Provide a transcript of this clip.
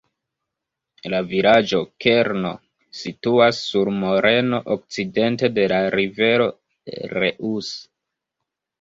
La vilaĝo-kerno situas sur moreno okcidente de la rivero Reuss.